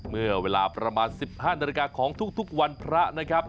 เมื่อเวลาประมาณ๑๕นาฬิกาของทุกวันพระนะครับ